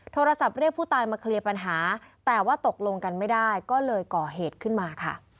โทรศัพท์เรียกผู้ตายมาเคลียร์ปัญหาแต่ว่าตกลงกันไม่ได้ก็เลยก่อเหตุขึ้นมาค่ะ